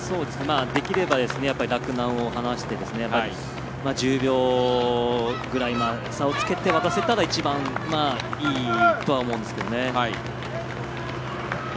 できれば洛南を離して１０秒ぐらい差をつけて渡せたら一番いいとは思うんですけどね。